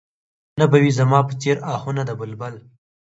نه به وي زما په څېر اهونه د بلبل